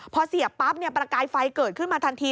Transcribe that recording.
พอเสียบปั๊บประกายไฟเกิดขึ้นมาทันที